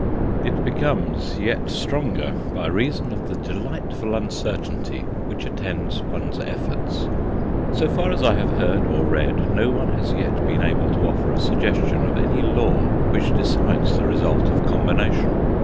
It becomes yet stronger by reason of the delightful uncertainty which attends one's efforts. So far as I have heard or read, no one has yet been able to offer a suggestion of any law which decides the result of combination.